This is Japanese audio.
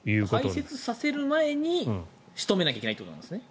排せつさせる前に仕留めなきゃいけないということですね。